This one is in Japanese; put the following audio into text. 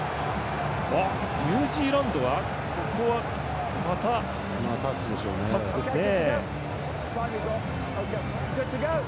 ニュージーランドはここはまたタッチですね。